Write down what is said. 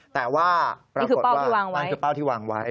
แต่ว่าปรากฏว่านั่นคือเป้าที่วางไว้